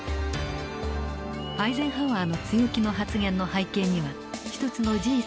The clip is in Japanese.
アイゼンハワーの強気の発言の背景には一つの事実がありました。